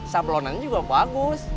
sablonannya juga bagus